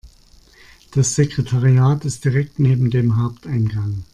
Das Sekretariat ist direkt neben dem Haupteingang.